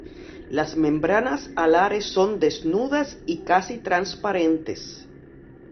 Las membranas alares son desnudas y casi transparentes.